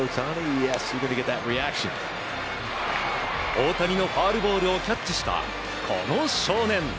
大谷のファウルボールをキャッチした、この少年。